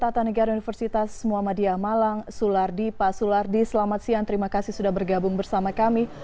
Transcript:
tata negara universitas muhammadiyah malang sulardi pak sulardi selamat siang terima kasih sudah bergabung bersama kami